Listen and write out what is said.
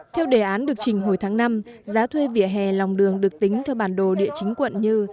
theo đề án được trình hồi tháng năm giá thuê vỉa hè lòng đường được tính theo bản đồ địa chính quận như